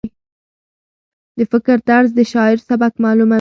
د فکر طرز د شاعر سبک معلوموي.